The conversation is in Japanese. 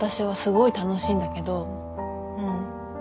うん。